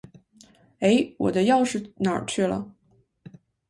哎，我钥匙哪儿去了？